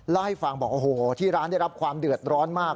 เล่าให้ฟังบอกโอ้โหที่ร้านได้รับความเดือดร้อนมาก